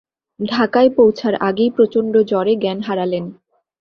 ঢাকায় পৌঁছার আগেই প্রচণ্ড জ্বরে জ্ঞান হারালেন।